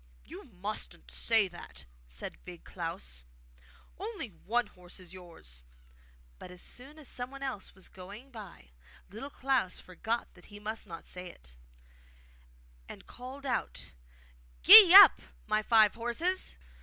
'You mustn't say that,' said Big Klaus. 'Only one horse is yours.' But as soon as someone else was going by Little Klaus forgot that he must not say it, and called out 'Gee up, my five horses!